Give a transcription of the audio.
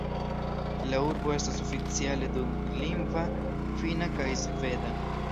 La urbo estas oficiale dulingva, Finna kaj Sveda.